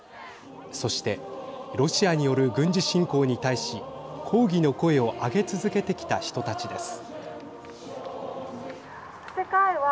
そしてロシアによる軍事侵攻に対し抗議の声を上げ続けてきた人たちです。